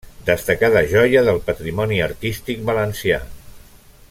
Destacada joia del patrimoni artístic valencià.